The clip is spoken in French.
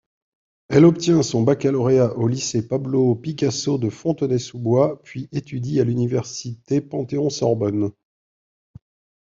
Elle obtient son baccalauréat au lycée Pablo-Picasso de Fontenay-sous-Bois puis étudie à l'université Panthéon-Sorbonne.